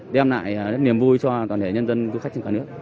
đem lại niềm vui cho toàn thể nhân dân du khách trên cả nước